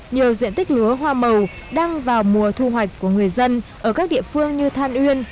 nhiều diện tích lúa hoa màu đang vào mùa thu hoạch của người dân ở các địa phương như than uyên